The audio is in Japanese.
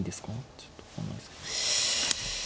ちょっと分かんないです。